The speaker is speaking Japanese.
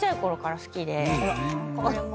これも。